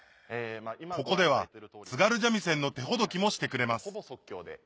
ここでは津軽三味線の手ほどきもしてくれます